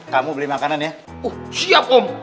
kamu beli makanan ya uh siap om